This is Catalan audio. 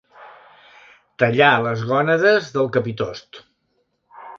Tallar les gònades del capitost.